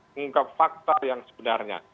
mengungkap faktor yang sebenarnya